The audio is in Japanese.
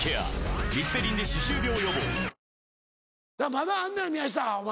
まだあんのやろ宮下お前